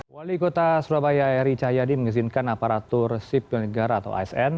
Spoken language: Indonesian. wali kota surabaya eri cahyadi mengizinkan aparatur sipil negara atau asn